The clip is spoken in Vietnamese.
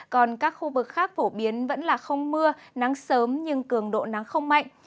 còn các khu vực khác phổ biến vẫn là không mưa nắng sớm nhưng cường độ nắng không mạnh